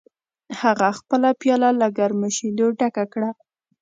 هغه خپله پیاله له ګرمو شیدو څخه ډکه کړه